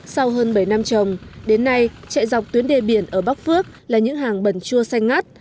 sau hơn bảy năm trồng đến nay chạy dọc tuyến đê biển ở bắc phước là những hàng bẩn chua xanh ngắt